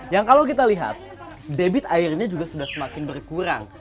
yang kalau kita lihat debit airnya juga sudah semakin berkurang